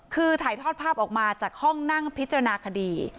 คือถ่ายทอดภาพออกมาจากห้องนั่งพิจารณาคดี